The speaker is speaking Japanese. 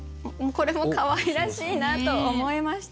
これもかわいらしいなと思いました。